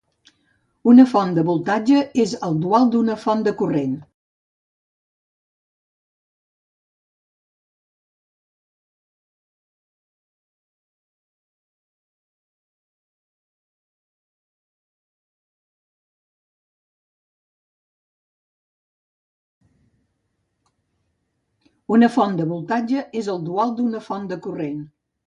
Una font de voltatge és el dual d'una font de corrent.